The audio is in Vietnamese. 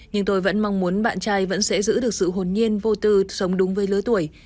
nhưng tôi vẫn mong muốn bạn trai vẫn sẽ giữ được sự hồn nhiên vô tư sống đúng với lứa tuổi